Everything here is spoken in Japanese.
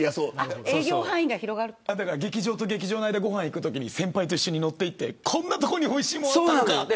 劇場と劇場の間でご飯行くときに先輩と一緒に乗っていってこんな所においしいものあったのかって。